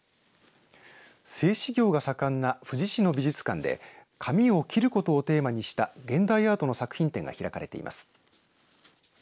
製紙業が盛んな富士市の美術館で紙を切ることをテーマにした現代アートの作品展が開かれています。